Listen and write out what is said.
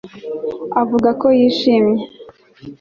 avuga ko yishimye